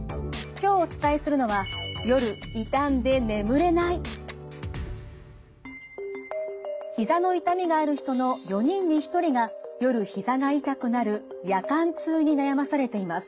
今日お伝えするのはひざの痛みがある人の４人に１人が夜ひざが痛くなる夜間痛に悩まされています。